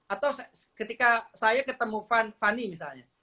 atau ketika saya ketemu fanny misalnya